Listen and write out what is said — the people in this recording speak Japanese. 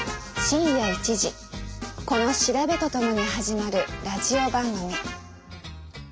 深夜１時この調べとともに始まるラジオ番組。